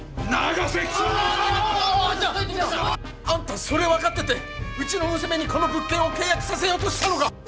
あんたそれ分かっててうちの娘にこの物件を契約させようとしたのか！